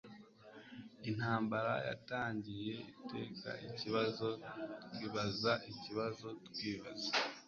Intambara yatangiye ite ikibazo twibazaikibazo twibaza